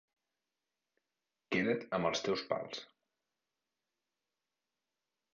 Queda't amb els teus pals.